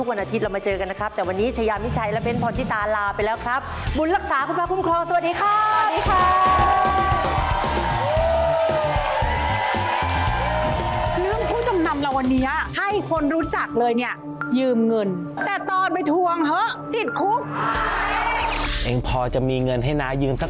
งั้นเรามาลุ้นแตกพอร์ตกันเลยครับว่าจะแตกอีกหรือไม่